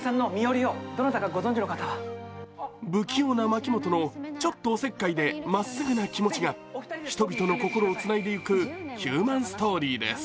不器用な牧本のちょっとおせっかいでまっすぐな気持ちが、人々の心をつないでいくヒューマンストーリーです。